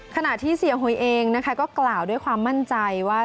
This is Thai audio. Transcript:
ขณะที่เสียหุยเองนะคะก็กล่าวด้วยความมั่นใจว่า